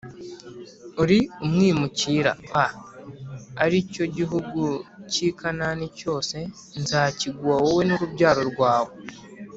uri umwimukira a ari cyo gihugu cy i Kanani cyose nzakiguha wowe n urubyaro rwawe